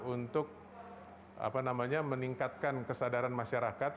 untuk meningkatkan kesadaran masyarakat